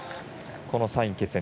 その３位決定戦。